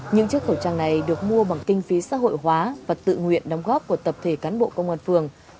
những chiếc khẩu trang này được mua bằng kinh phí xã hội hóa và tự nguyện đóng góp của tập thể cán bộ công an phường